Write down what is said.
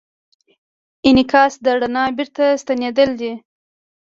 انعکاس د رڼا بېرته ستنېدل دي.